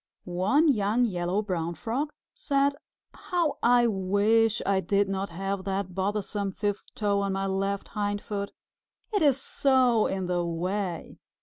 One young Yellow Brown Frog said, "How I wish I did not have that bothersome fifth toe on my left hindfoot! It is so in the way!